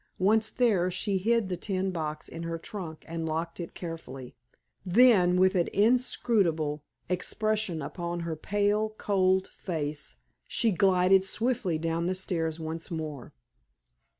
Once there, she hid the tin box in her trunk, and locked it carefully. Then, with an inscrutable expression upon her pale, cold face, she glided swiftly down the stairs once more.